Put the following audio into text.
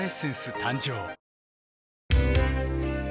誕生